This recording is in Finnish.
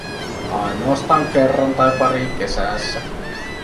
Ainoastaan kerran tai pari kesässä.